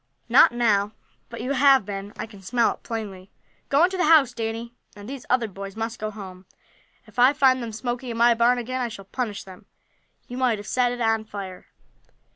"Not now, but you have been. I can smell it plainly. Go into the house, Danny, and these other boys must go home. If I find them smoking in my barn again I shall punish them. You might have set it on fire."